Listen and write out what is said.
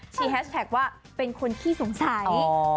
แฮชแท็กว่าเป็นคนขี้สงสัย